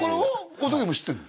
小峠も知ってんの？